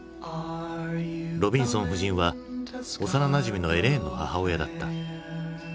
ロビンソン夫人は幼なじみのエレインの母親だった。